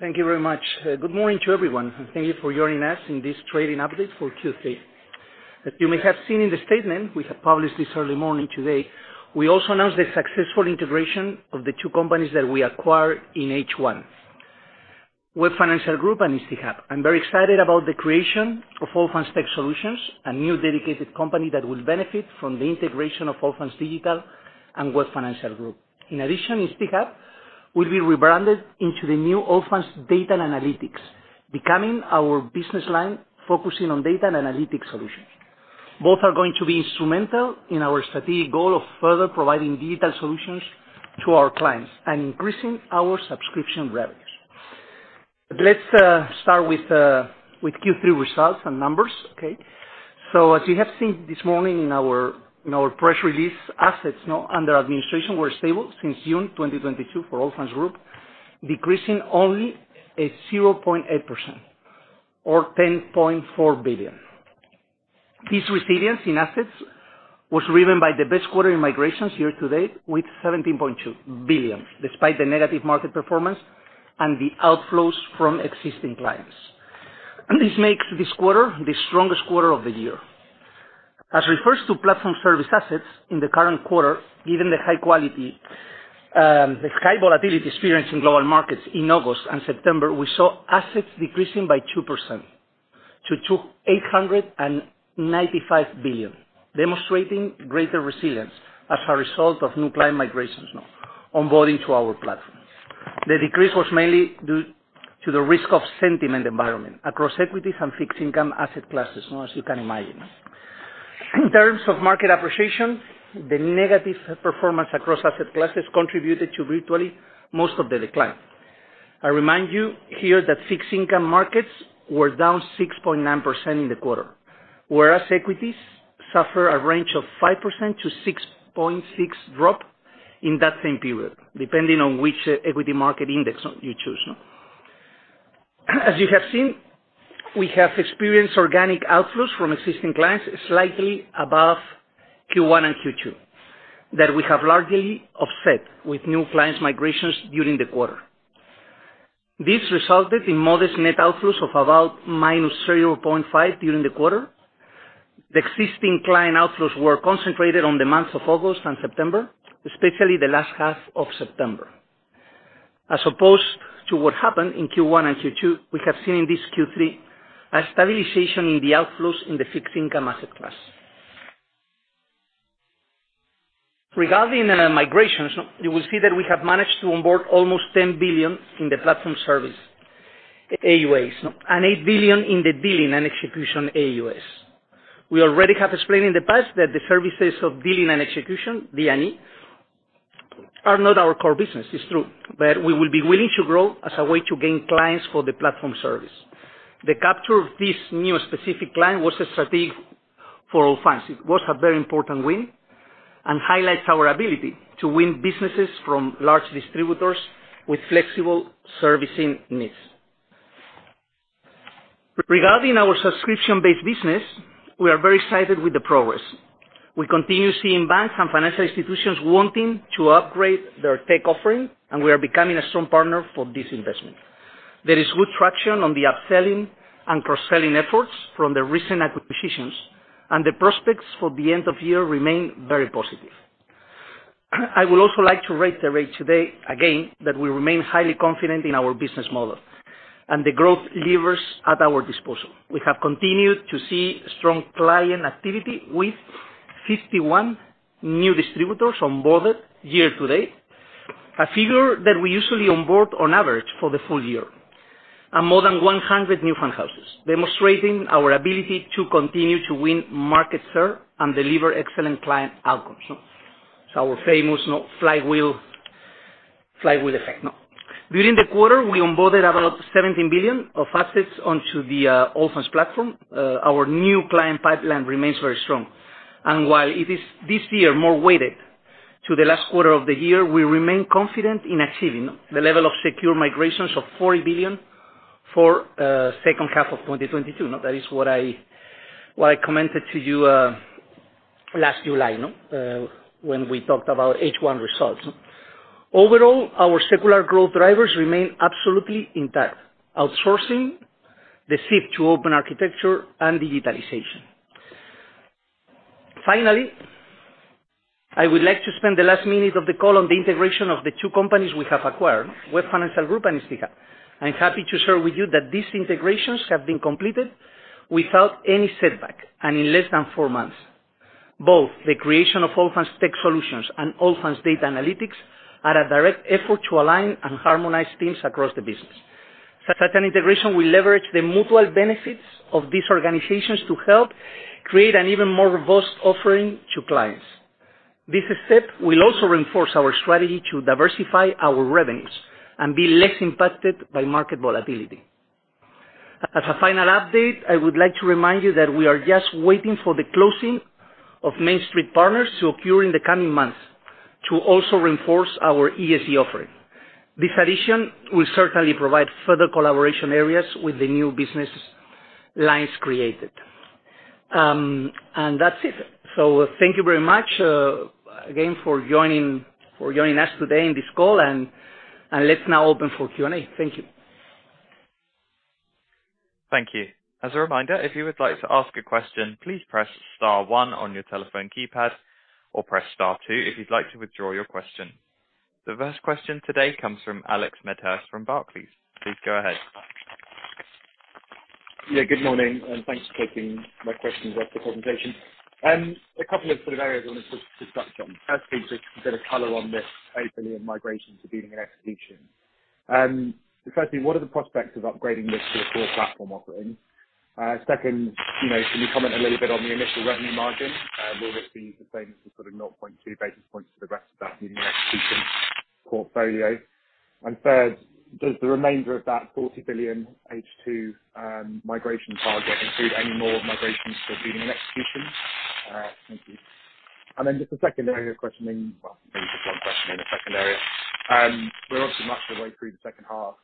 Thank you very much. Good morning to everyone, thank you for joining us in this trading update for Q3. As you may have seen in the statement we have published this early morning today, we also announced the successful integration of the two companies that we acquired in H1, Web Financial Group and instiHub. I'm very excited about the creation of Allfunds Tech Solutions, a new dedicated company that will benefit from the integration of Allfunds Digital and Web Financial Group. In addition, instiHub will be rebranded into the new Allfunds Data & Analytics, becoming our business line, focusing on Data and Analytic Solutions. Both are going to be instrumental in our strategic goal of further providing digital solutions to our clients and increasing our subscription revenues. Let's start with Q3 results and numbers. Okay. As you have seen this morning in our press release, assets under administration were stable since June 2022 for Allfunds Group, decreasing only at 0.8% or 10.4 billion. This resilience in assets was driven by the best quarter in migrations year to date, with 17.2 billion, despite the negative market performance and the outflows from existing clients. This makes this quarter the strongest quarter of the year. As refers to platform service assets in the current quarter, given the high quality, the high volatility experienced in global markets in August and September, we saw assets decreasing by 2% to 895 billion, demonstrating greater resilience as a result of new client migrations onboarding to our platform. The decrease was mainly due to the risk of sentiment environment across equities and fixed income asset classes, as you can imagine. In terms of market appreciation, the negative performance across asset classes contributed to virtually most of the decline. I remind you here that fixed income markets were down 6.9% in the quarter, whereas equities suffer a range of 5%-6.6% drop in that same period, depending on which equity market index you choose. As you have seen, we have experienced organic outflows from existing clients slightly above Q1 and Q2, that we have largely offset with new clients migrations during the quarter. This resulted in modest net outflows of about -0.5 during the quarter. The existing client outflows were concentrated on the months of August and September, especially the last half of September. As opposed to what happened in Q1 and Q2, we have seen in this Q3 a stabilization in the outflows in the fixed income asset class. Regarding the migrations, you will see that we have managed to onboard almost 10 billion in the platform service, AUA, and 8 billion in the Dealing and Execution AUS. We already have explained in the past that the services of Dealing and Execution, D&E, are not our core business, it's true, but we will be willing to grow as a way to gain clients for the platform service. The capture of this new specific client was a strategic for Allfunds. It was a very important win and highlights our ability to win businesses from large distributors with flexible servicing needs. Regarding our subscription-based business, we are very excited with the progress. We continue seeing banks and financial institutions wanting to upgrade their tech offering, and we are becoming a strong partner for this investment. There is good traction on the upselling and cross-selling efforts from the recent acquisitions, and the prospects for the end of year remain very positive. I would also like to reiterate today again that we remain highly confident in our business model and the growth levers at our disposal. We have continued to see strong client activity with 51 new distributors onboarded year-to-date, a figure that we usually onboard on average for the full-year, and more than 100 new fund houses, demonstrating our ability to continue to win market share and deliver excellent client outcomes. Our famous flywheel effect. During the quarter, we onboarded about 17 billion of assets onto the Allfunds platform. Our new client pipeline remains very strong, while it is this year more weighted to the last quarter of the year, we remain confident in achieving the level of secure migrations of 40 billion for H2 of 2022. That is what I commented to you last July when we talked about H1 results. Overall, our secular growth drivers remain absolutely intact, outsourcing the shift to open architecture and digitalization. I would like to spend the last minute of the call on the integration of the two companies we have acquired, Web Financial Group and instiHub. I'm happy to share with you that these integrations have been completed without any setback and in less than four months. Both the creation of Allfunds Tech Solutions and Allfunds Data Analytics are a direct effort to align and harmonize teams across the business. Such an integration will leverage the mutual benefits of these organizations to help create an even more robust offering to clients. This step will also reinforce our strategy to diversify our revenues and be less impacted by market volatility. As a final update, I would like to remind you that we are just waiting for the closing of MainStreet Partners to occur in the coming months to also reinforce our ESG offering. This addition will certainly provide further collaboration areas with the new business lines created. That's it. Thank you very much again for joining us today on this call, Let's now open for Q&A. Thank you. Thank you. As a reminder, if you would like to ask a question, please press star one on your telephone keypad, or press star two if you'd like to withdraw your question. The first question today comes from Alex Medhurst from Barclays. Please go ahead. Yeah, good morning, and thanks for taking my questions after the presentation. A couple of sort of areas I want to touch base on. Firstly, just to get a color on this EUR 8 billion migration to Dealing and Execution. Firstly, what are the prospects of upgrading this to the core platform offering? Second, can you comment a little bit on the initial revenue margin? Will it be the same sort of 0.2 basis points for the rest of that Dealing and Execution portfolio? Third, does the remainder of that 40 billion H2 migration target include any more migrations for Dealing and Execution? Thank you. Just a second area questioning. Well, maybe just one question in the second area. We're obviously much of the way through the H2.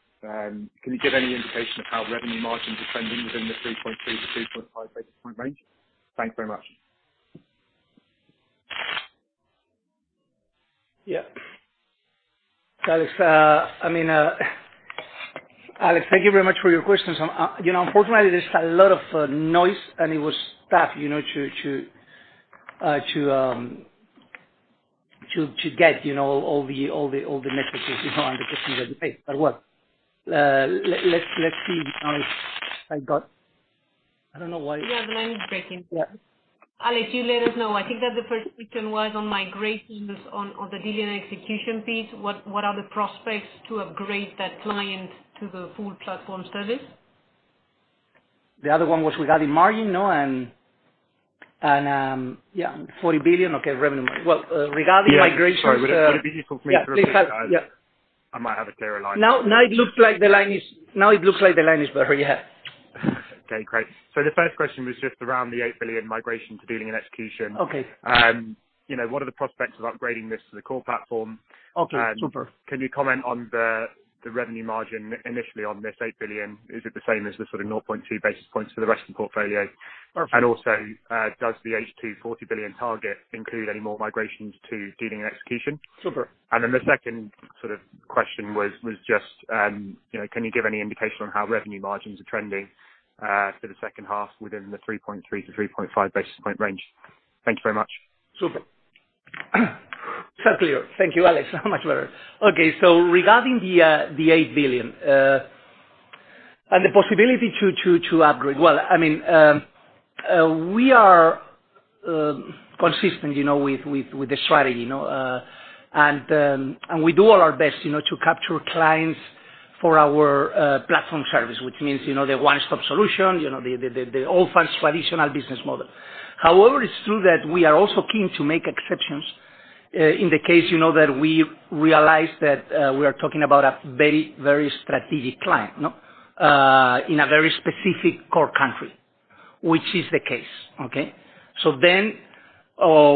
Can you give any indication of how revenue margins are trending within the 3.3-3.5 basis point range? Thank you very much. Yeah. Alex, thank you very much for your questions. Unfortunately, there's a lot of noise, and it was tough to get all the messages behind the questions that you paid. Well, let's see now. I don't know why. Yeah, the line is breaking. Yeah. Alex, you let us know. I think that the first question was on migrations on the dealing and execution piece. What are the prospects to upgrade that client to the full platform service? The other one was regarding margin, and 40 billion, okay, revenue margin. Well, regarding migrations. Yeah. Sorry. Would it be useful for me to repeat that? Yeah. I might have a clearer line. Now it looks like the line is better, yeah. Okay, great. The first question was just around the 8 billion migration to Dealing and Execution. Okay. What are the prospects of upgrading this to the core platform? Okay. Super. Can you comment on the revenue margin initially on this 8 billion? Is it the same as the sort of 0.2 basis points for the rest of the portfolio? Perfect. Does the H2 40 billion target include any more migrations to Dealing and Execution? Super. The second sort of question was just, can you give any indication on how revenue margins are trending, for the H2 within the 3.3-3.5 basis point range? Thank you very much. Super. It's all clear. Thank you, Alex. Much better. Okay. Regarding the 8 billion, and the possibility to upgrade. Well, we are consistent with the strategy. We do all our best to capture clients for our platform service, which means, the one-stop solution, the Allfunds traditional business model. However, it's true that we are also keen to make exceptions, in the case that we realize that we are talking about a very strategic client. In a very specific core country, which is the case. Okay?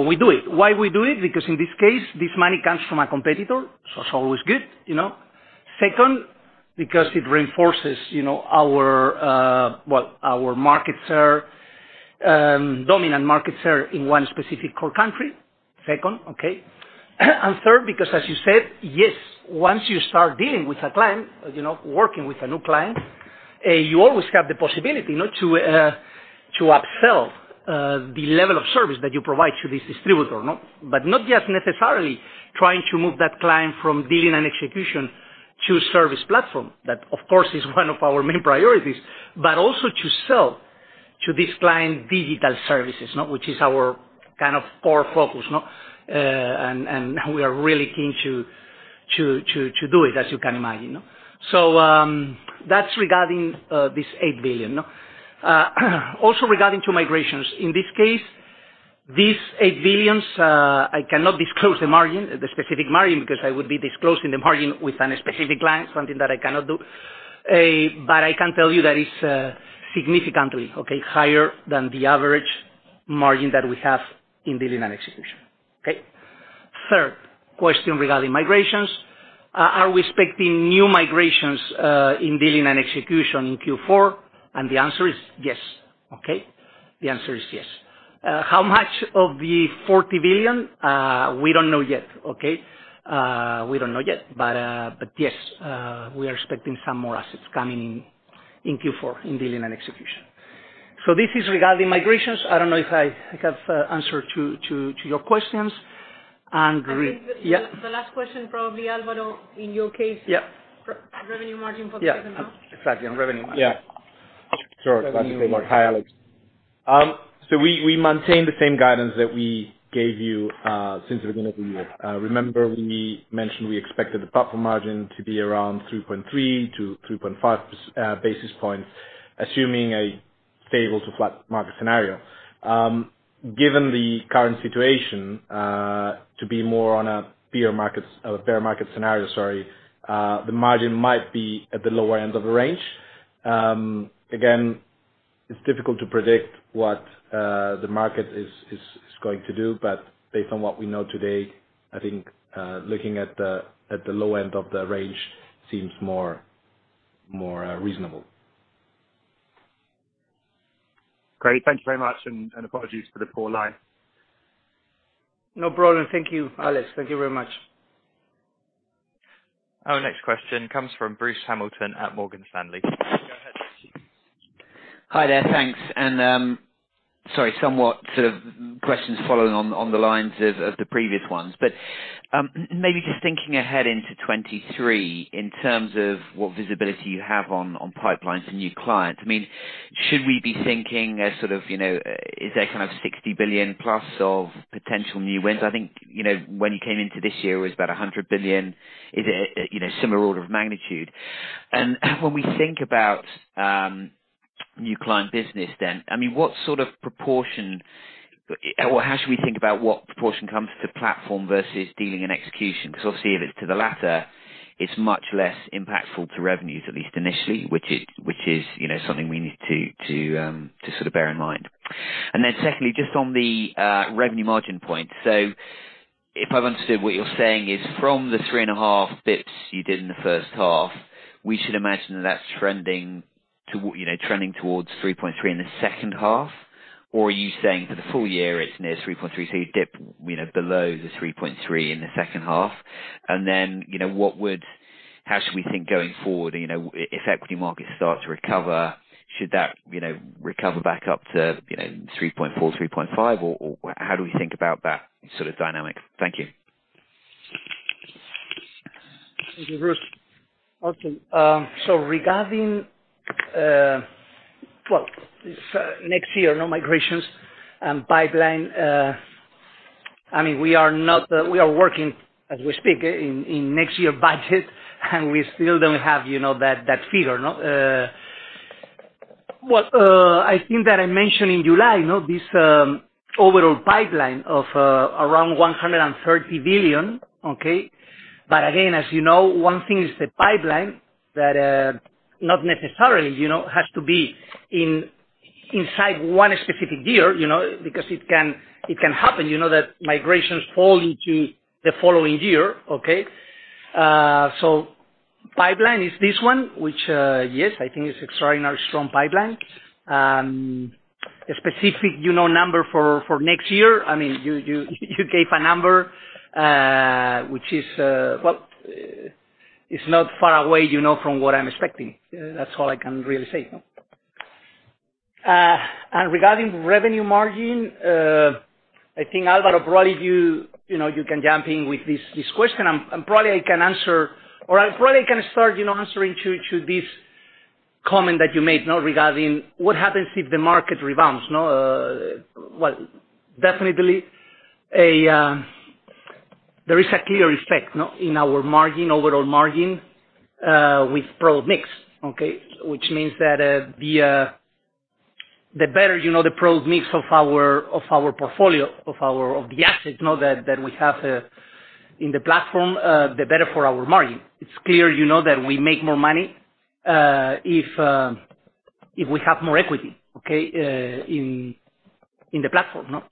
We do it. Why we do it? Because in this case, this money comes from a competitor, so it's always good. Second, because it reinforces our market share, dominant market share in one specific core country. Okay? Third, because as you said, yes, once you start dealing with a client, working with a new client, you always have the possibility to upsell the level of service that you provide to this distributor. Not just necessarily trying to move that client from Dealing and Execution to service platform. That, of course, is one of our main priorities, but also to sell to this client digital services, which is our kind of core focus. We are really keen to do it, as you can imagine. That's regarding this 8 billion. Also regarding to migrations. In this case, this 8 billion, I cannot disclose the margin, the specific margin, because I would be disclosing the margin with a specific client, something that I cannot do. I can tell you that it's significantly higher than the average margin that we have in Dealing and Execution. Okay? Third question regarding migrations. Are we expecting new migrations in Dealing and Execution in Q4? The answer is yes. Okay? The answer is yes. How much of the 40 billion? We don't know yet. Okay? We don't know yet. Yes, we are expecting some more assets coming in Q4 in Dealing and Execution. This is regarding migrations. I don't know if I have answered to your questions. Yeah. I think the last question, probably Álvaro, in your case. Yeah. Revenue margin for the second half. Exactly. On revenue margin. Yeah. Sorry. Glad to take that. Hi, Alex. We maintain the same guidance that we gave you since the beginning of the year. Remember, we mentioned we expected the platform margin to be around 3.3-3.5 basis points, assuming a stable to flat market scenario. Given the current situation, to be more on a bear market scenario, sorry, the margin might be at the lower end of the range. Again, it's difficult to predict what the market is going to do, but based on what we know today, I think, looking at the low end of the range seems more reasonable. Great. Thank you very much. Apologies for the poor line. No problem. Thank you, Alex. Thank you very much. Our next question comes from Bruce Hamilton at Morgan Stanley. Go ahead, Bruce. Hi there. Thanks. Sorry, somewhat sort of questions following on the lines of the previous ones. Maybe just thinking ahead into 2023 in terms of what visibility you have on pipeline for new clients. Should we be thinking, is there kind of 60 billion+ of potential new wins? I think, when you came into this year, it was about 100 billion. Is it similar order of magnitude? When we think about new client business then, how should we think about what proportion comes to platform versus Dealing and Execution? Obviously if it's to the latter, it's much less impactful to revenues, at least initially, which is something we need to bear in mind. Secondly, just on the revenue margin point. If I've understood, what you're saying is from the 3.5 basis points you did in the H1, we should imagine that that's trending towards 3.3 basis points in the H2? Are you saying for the full-year it's near 3.3 basis points, so you dip below the 3.3 basis points in the H2? How should we think going forward, if equity markets start to recover, should that recover back up to 3.4, 3.5 basis points, or how do we think about that sort of dynamic? Thank you. Thank you, Bruce. Awesome. Regarding next year migrations and pipeline, we are working as we speak in next year budget, and we still don't have that figure. What I think that I mentioned in July, this overall pipeline of around 130 billion. Okay. Again, as you know, one thing is the pipeline that not necessarily has to be inside one specific year, because it can happen that migrations fall into the following year. Okay. Pipeline is this one, which, yes, I think it's extraordinary strong pipeline. A specific number for next year, you gave a number, which is not far away, from what I'm expecting. That's all I can really say. Regarding revenue margin, I think, Alvaro, probably you can jump in with this question. Probably I can start answering to this comment that you made regarding what happens if the market rebounds. Definitely, there is a clear effect in our overall margin with product mix. Okay. Which means that the better the product mix of our portfolio, of the assets that we have in the platform, the better for our margin. It's clear that we make more money if we have more equity, okay, in the platform.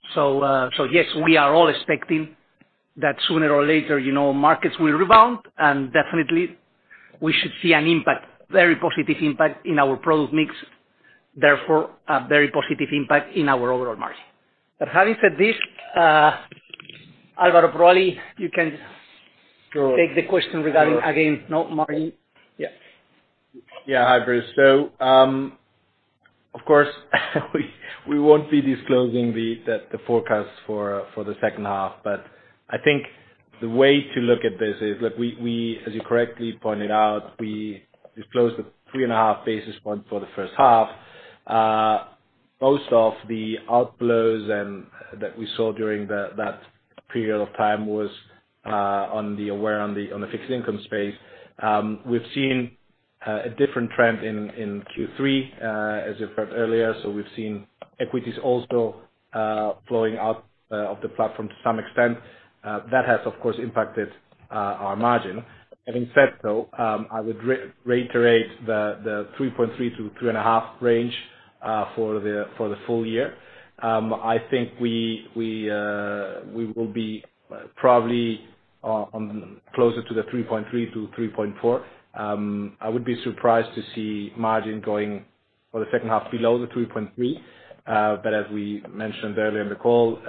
Yes, we are all expecting that sooner or later, markets will rebound, and definitely, we should see an impact, very positive impact in our product mix, therefore, a very positive impact in our overall margin. Having said this, Álvaro, probably you can. Sure Take the question regarding, again, margin. Yeah. Hi, Bruce. Of course, we won't be disclosing the forecast for the H2. I think the way to look at this is, as you correctly pointed out, we disclosed the 3.5 Basis point for the first half. Most of the outflows that we saw during that period of time was on the fixed income space. We've seen a different trend in Q3, as you've heard earlier. We've seen equities also flowing out of the platform to some extent. That has, of course, impacted our margin. Having said so, I would reiterate the 3.3%-3.5% range for the full-year. I think we will be probably closer to the 3.3%-3.4%. I would be surprised to see margin going for the second half below the 3.3%. As we mentioned earlier in the call,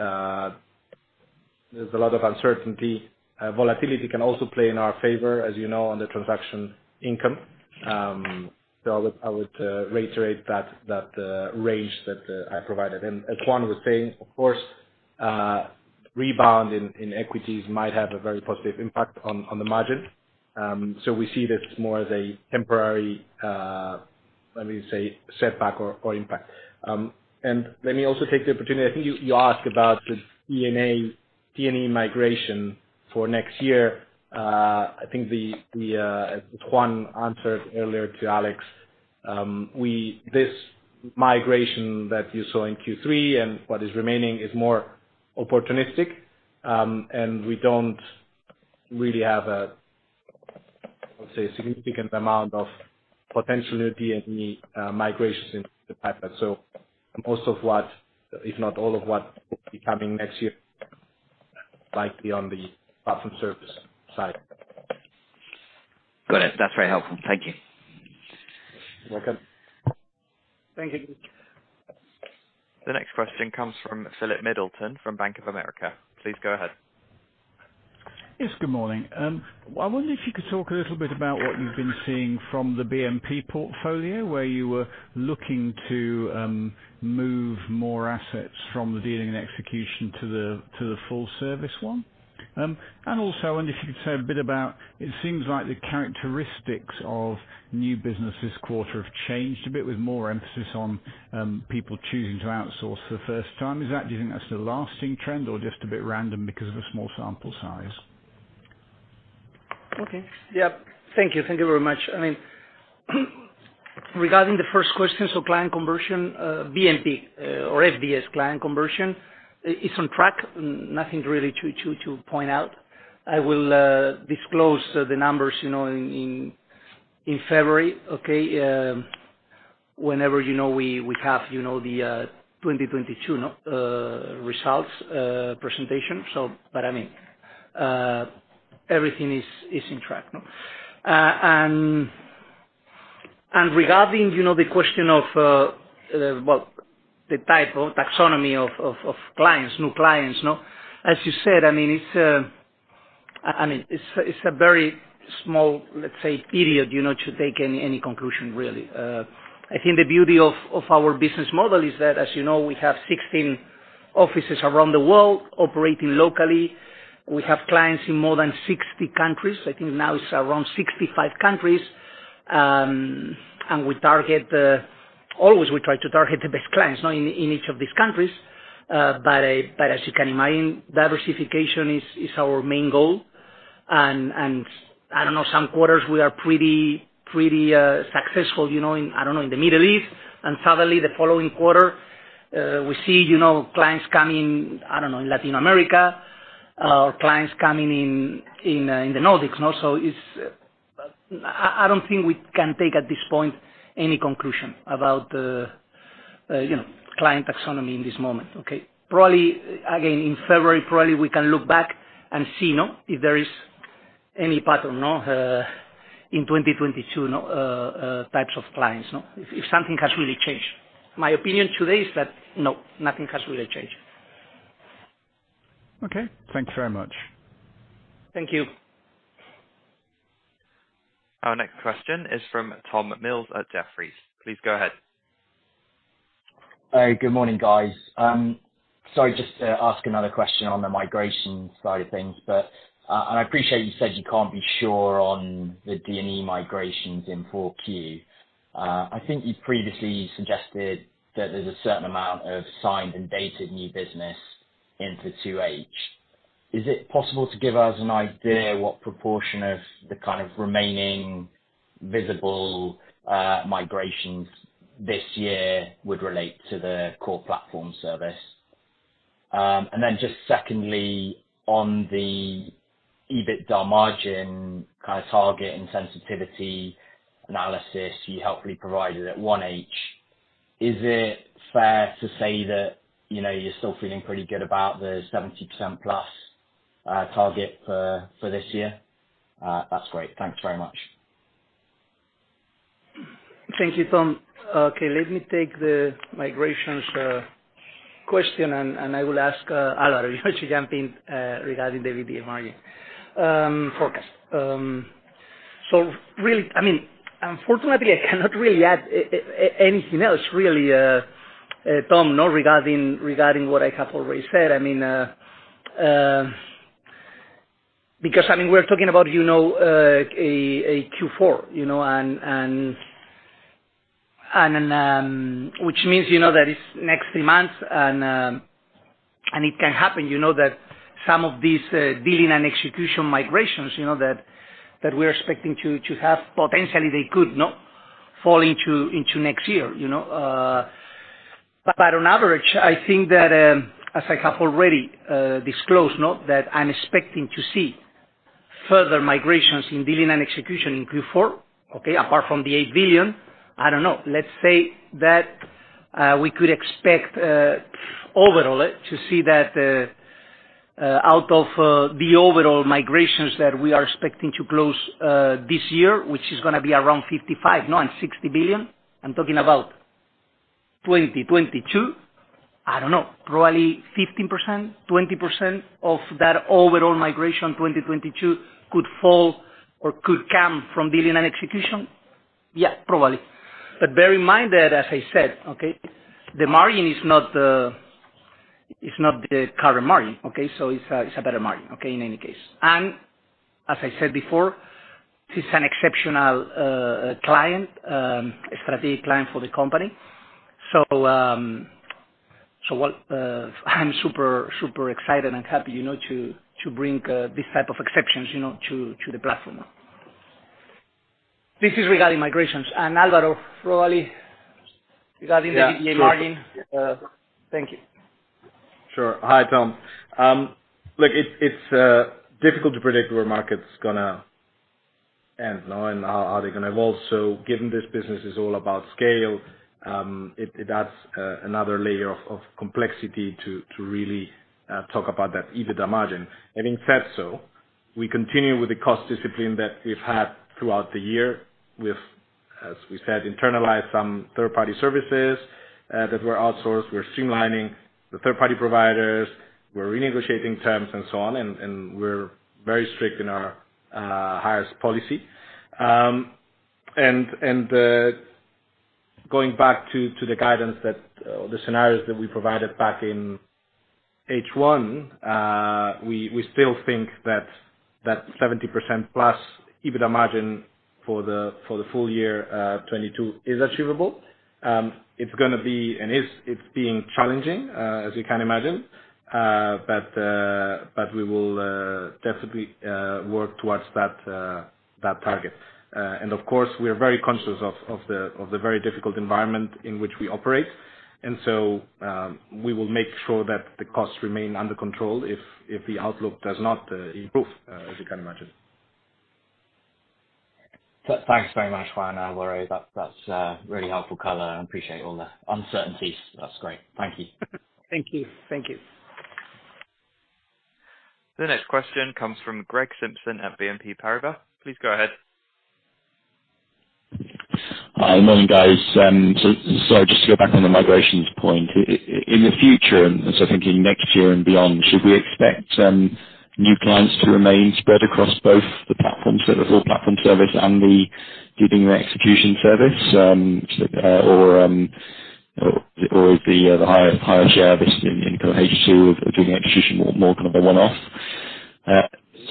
there's a lot of uncertainty. Volatility can also play in our favor, as you know, on the transaction income. I would reiterate that range that I provided. As Juan was saying, of course, rebound in equities might have a very positive impact on the margin. We see this more as a temporary, let me say, setback or impact. Let me also take the opportunity. I think you asked about the D&E migration for next year. I think as Juan answered earlier to Alex, this migration that you saw in Q3 and what is remaining is more opportunistic, and we don't really have a, let me say, significant amount of potential new D&E migrations in the pipeline. Most of what, if not all of what will be coming next year, likely on the platform service side. Got it. That's very helpful. Thank you. You're welcome. Thank you. The next question comes from Philip Middleton from Bank of America. Please go ahead. Yes, good morning. I wonder if you could talk a little bit about what you've been seeing from the BNP Paribas portfolio, where you were looking to move more assets from the Dealing and Execution to the full service one. I wonder if you could say a bit about, it seems like the characteristics of new business this quarter have changed a bit with more emphasis on people choosing to outsource for the first time. Do you think that's the lasting trend or just a bit random because of the small sample size? Okay. Yeah. Thank you. Thank you very much. Regarding the first question, client conversion, BNP or FDS client conversion is on track. Nothing really to point out. I will disclose the numbers in February, okay? Whenever we have the 2022 results presentation. Everything is on track. Regarding the question of the type of taxonomy of clients, new clients. As you said, it's a very small, let's say, period, to take any conclusion, really. I think the beauty of our business model is that, as you know, we have 16 offices around the world operating locally. We have clients in more than 60 countries. I think now it's around 65 countries. Always we try to target the best clients in each of these countries. As you can imagine, diversification is our main goal. I don't know, some quarters we are pretty successful in the Middle East, and suddenly the following quarter, we see clients coming, I don't know, in Latin America or clients coming in the Nordics. I don't think we can take at this point any conclusion about the client taxonomy in this moment. Probably, again, in February, probably we can look back and see if there is any pattern in 2022 types of clients. If something has really changed. My opinion today is that, no, nothing has really changed. Okay. Thank you very much. Thank you. Our next question is from Tom Mills at Jefferies. Please go ahead. Good morning, guys. Sorry, just to ask another question on the migration side of things. I appreciate you said you can't be sure on the D&E migrations in 4Q. I think you previously suggested that there's a certain amount of signed and dated new business into 2H. Is it possible to give us an idea what proportion of the kind of remaining visible migrations this year would relate to the core platform service? Then just secondly, on the EBITDA margin kind of target and sensitivity analysis you helpfully provided at 1H, is it fair to say that you're still feeling pretty good about the 70%+ target for this year? That's great. Thanks very much. Thank you, Tom. Okay. Let me take the migrations question, I will ask Álvaro to jump in regarding the EBITDA margin forecast. Unfortunately, I cannot really add anything else really, Tom, regarding what I have already said. We're talking about a Q4, which means that it's next three months, and it can happen that some of these Dealing and Execution migrations that we're expecting to have, potentially they could fall into next year. On average, I think that, as I have already disclosed, that I'm expecting to see further migrations in Dealing and Execution in Q4, apart from the 8 billion. I don't know. Let's say that we could expect overall to see that out of the overall migrations that we are expecting to close this year, which is going to be around 55 billion-60 billion. I'm talking about 2022. I don't know, probably 15%, 20% of that overall migration 2022 could fall or could come from Dealing and Execution. Yeah, probably. Bear in mind that as I said, the margin is not the current margin. It's a better margin in any case. As I said before, this is an exceptional client, a strategic client for the company. I'm super excited and happy to bring these type of exceptions to the platform. This is regarding migrations. Alvaro, probably regarding the EBITDA margin. Thank you. Sure. Hi, Tom. Look, it's difficult to predict where market's going- and how are they going to evolve? Given this business is all about scale, it adds another layer of complexity to really talk about that EBITDA margin. Having said so, we continue with the cost discipline that we've had throughout the year. We've, as we said, internalized some third-party services that were outsourced. We're streamlining the third-party providers. We're renegotiating terms and so on, and we're very strict in our hires policy. Going back to the guidance that the scenarios that we provided back in H1, we still think that 70%+ EBITDA margin for the full year, 2022 is achievable. It's going to be, and it's being challenging, as you can imagine. We will definitely work towards that target. Of course, we are very conscious of the very difficult environment in which we operate. We will make sure that the costs remain under control if the outlook does not improve, as you can imagine. Thanks very much, Juan. No worry. That's really helpful color. I appreciate all the uncertainties. That's great. Thank you. Thank you. The next question comes from Gregory Simpson at BNP Paribas. Please go ahead. Hi. Morning, guys. Sorry, just to go back on the migrations point. In the future, thinking next year and beyond, should we expect new clients to remain spread across both the platforms, so the whole platform service and the Dealing and Execution service? Or the higher share business in H2 of Dealing and Execution, more of a one-off?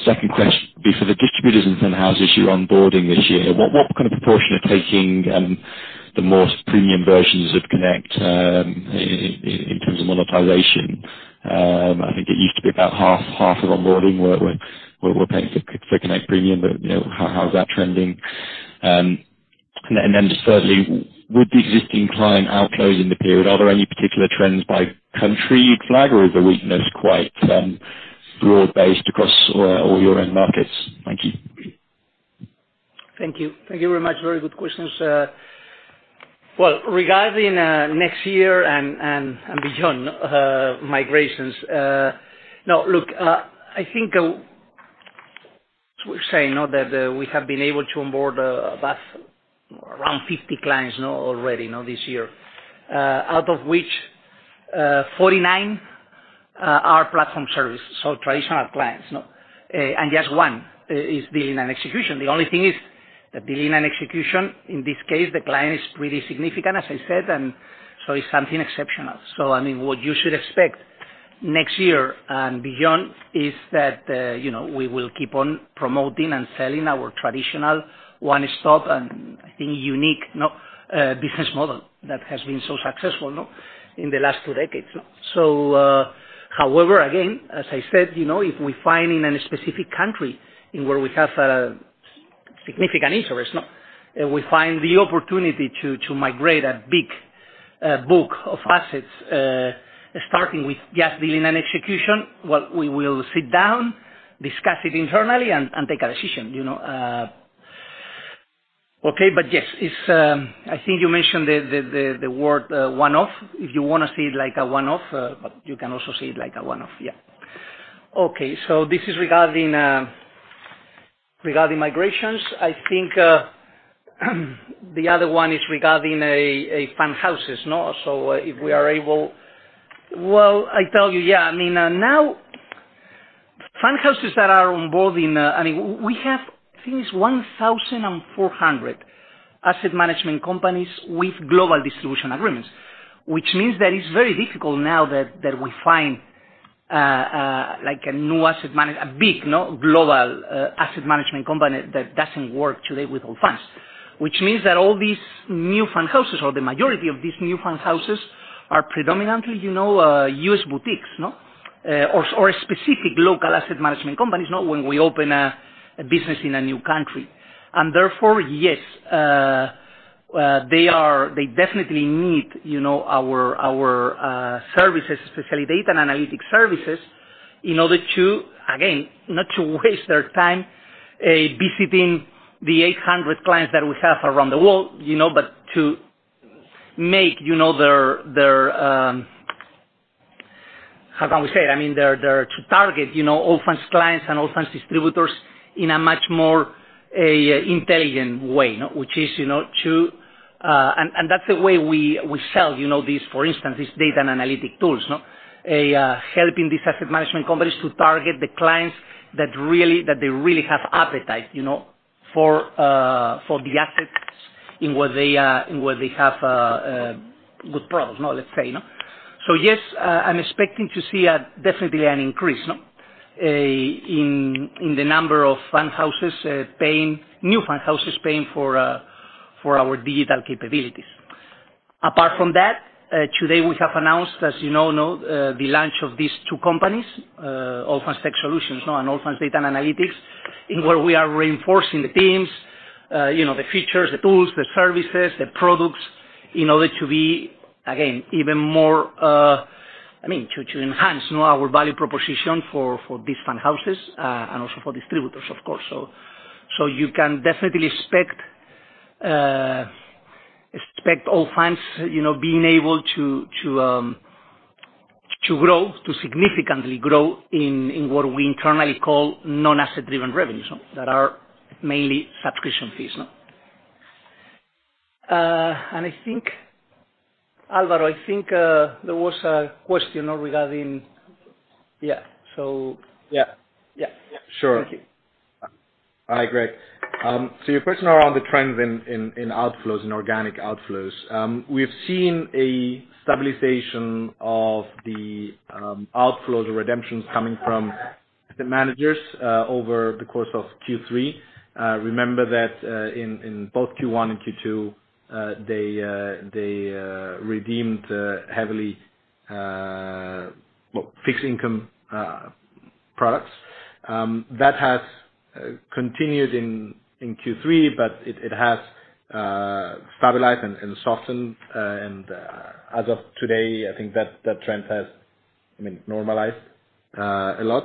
Second question, for the distributors and fund houses you're onboarding this year, what kind of proportion are taking the most premium versions of Connect, in terms of monetization? I think it used to be about half of onboarding, were paying for Connect Premium, how's that trending? Thirdly, with the existing client outflows in the period, are there any particular trends by country you'd flag, or is the weakness quite broad-based across all your end markets? Thank you. Thank you. Thank you very much. Very good questions. Well, regarding next year and beyond, migrations. Now, look, I think we're saying that we have been able to onboard about around 50 clients already this year. Out of which, 49 are platform service, so traditional clients. Just one is Dealing and Execution. The only thing is that Dealing and Execution, in this case, the client is pretty significant, as I said, so it's something exceptional. I mean, what you should expect next year and beyond is that we will keep on promoting and selling our traditional one-stop and I think unique business model that has been so successful in the last two decades. However, again, as I said, if we find in any specific country in where we have a significant interest, we find the opportunity to migrate a big book of assets, starting with just dealing and execution, well, we will sit down, discuss it internally and take a decision. Okay. Yes, I think you mentioned the word one-off. If you want to see it like a one-off, but you can also see it like a one-off. Yeah. This is regarding migrations. I think the other one is regarding fund houses. If we are able, well, I tell you, yeah, now fund houses that are onboarding, we have, I think it's 1,400 asset management companies with global distribution agreements, which means that it's very difficult now that we find a new a big global asset management company that doesn't work today with Allfunds. Means that all these new fund houses or the majority of these new fund houses are predominantly U.S. boutiques. Specific local asset management companies when we open a business in a new country. Therefore, yes, they definitely need our services, especially data and analytic services, in order to, again, not to waste their time visiting the 800 clients that we have around the world, but to make their, how can we say it, to target Allfunds clients and Allfunds distributors in a much more intelligent way. That's the way we sell these, for instance, these data and analytic tools. Helping these asset management companies to target the clients that they really have appetite for the assets in what they have good products, let's say. Yes, I am expecting to see definitely an increase in the number of fund houses, new fund houses paying for our digital capabilities. Apart from that, today we have announced, as you know now, the launch of these two companies, Allfunds Tech Solutions and Allfunds Data Analytics. In where we are reinforcing the teams, the features, the tools, the services, the products. In order to be, again, even more, to enhance our value proposition for these fund houses, and also for distributors, of course. You can definitely expect Allfunds being able to significantly grow in what we internally call non-asset-driven revenues, that are mainly subscription fees. Álvaro, I think there was a question regarding. Sure. Yeah. Thank you. Hi, Greg. You're questioning around the trends in outflows, in organic outflows. We've seen a stabilization of the outflows or redemptions coming from the managers over the course of Q3. Remember that in both Q1 and Q2, they redeemed heavily fixed income products. That has continued in Q3, but it has stabilized and softened. As of today, I think that trend has normalized a lot.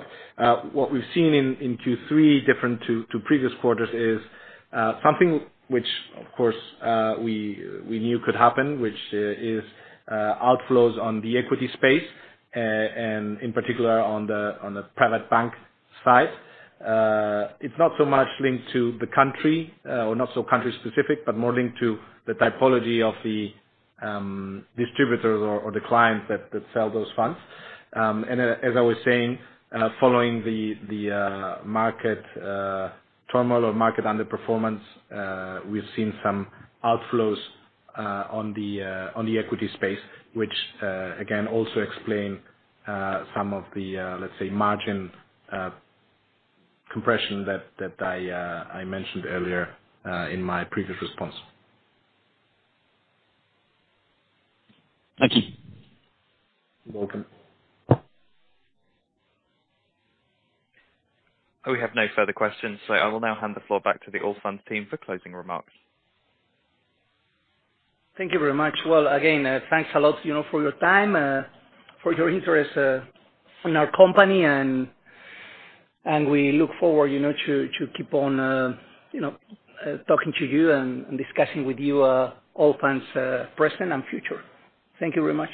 What we've seen in Q3 different to previous quarters is something which, of course, we knew could happen, which is outflows on the equity space, and in particular, on the private bank side. It's not so much linked to the country, or not so country-specific, but more linked to the typology of the distributors or the clients that sell those funds. As I was saying, following the market turmoil or market underperformance, we've seen some outflows on the equity space, which again, also explain some of the, let's say, margin compression that I mentioned earlier in my previous response. Thank you. You're welcome. We have no further questions, so I will now hand the floor back to the Allfunds team for closing remarks. Thank you very much. Well, again, thanks a lot for your time, for your interest in our company, and we look forward to keep on talking to you and discussing with you Allfunds present and future. Thank you very much.